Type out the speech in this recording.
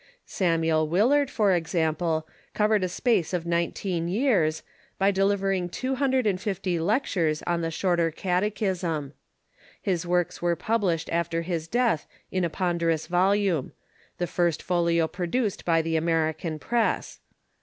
Samuel Willard, for example, covered a space of nineteen years, by delivering two hundred and fifty lectures on the Shorter Catechism. His works were published after his death in a ponderous volume — the first folio produced by the American press.